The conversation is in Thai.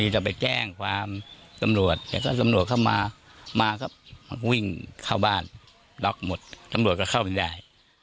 เจ้าบ้านก็ล็อกหมดตำรวจก็เข้าไปได้